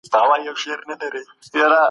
هغه خپل هدف په برياليتوب سره ترلاسه کړی دی.